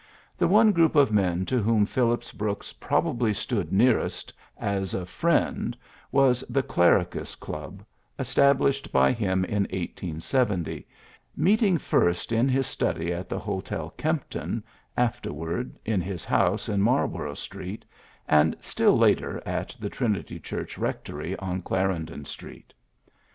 The one group of men to whom Phillips Brooks probably stood nearest as a friend was the ^'CJlericus Club," estab lished by him in 1870, meeting first in his study at the Hotel Kempton, after ward in his house in Marlborough Street, and still later at the Trinity Church Rectory on Clarendon Street.